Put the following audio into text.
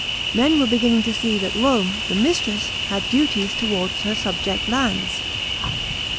Men were beginning to see that Home, the mistress, had duties towards her subject lands.